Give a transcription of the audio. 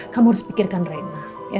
kamu harus pikirkan reina